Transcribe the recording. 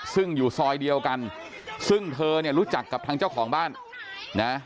ซึ่งอยู่ซอยเดียวกันซึ่งเธอเนี่ยรู้จักกับทางเจ้าของบ้านนะ